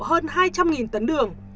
hơn hai trăm linh tấn đường